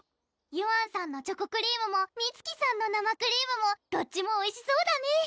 ゆあんさんのチョコクリームもみつきさんの生クリームもどっちもおいしそうだねぇ